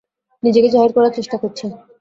নিজেকে জাহির করার চেষ্টা করছে।